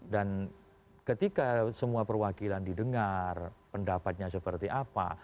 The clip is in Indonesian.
dan ketika semua perwakilan didengar pendapatnya seperti apa